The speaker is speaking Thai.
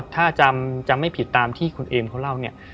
ถ้าจำไม่ผิดตามที่คุณเอมเขาเล่าเนี่ย